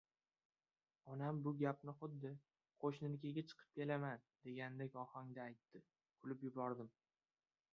Onam bu gapni xuddi: «Qo‘shninikiga chiqib kelaman», degandek ohangda aytdi. Kulib yubordim.